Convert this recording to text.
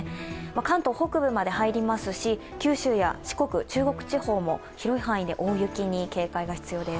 関東北部まで入りますし九州や四国、中国地方も広い範囲で大雪に警戒が必要です。